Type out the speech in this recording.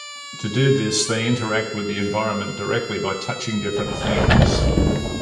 To do this, they interact with the environment directly by touching different things.